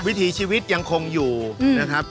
วิถีชีวิตยังคงอยู่นะครับ